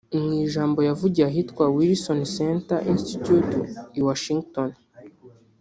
Mu ijambo yavugiye ahitwa Wilson Center Institut i Washington